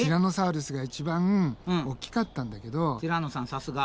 さすが。